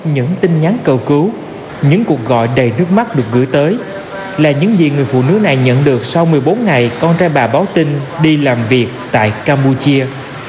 những tin nhắn cầu cứu những cuộc gọi đầy nước mắt được gửi tới là những gì người phụ nữ này nhận được sau một mươi bốn ngày con trai bà báo tin đi làm việc tại campuchia